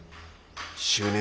執念